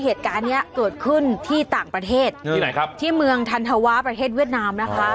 เหตุการณ์เนี่ยเกิดขึ้นที่ต่างประเทศที่เมืองธัณฑวาประเทศเวียดนามนะคะ